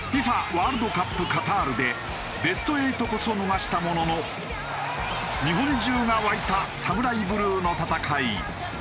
ワールドカップカタールでベスト８こそ逃したものの日本中が沸いたＳＡＭＵＲＡＩＢＬＵＥの戦い。